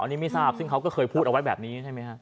อันนี้ไม่ทราบซึ่งเขาก็เคยพูดเอาไว้แบบนี้ใช่ไหมฮะ